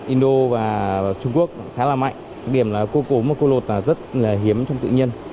indo và trung quốc khá là mạnh điểm là cua cốm và cua lột là rất là hiếm trong tự nhiên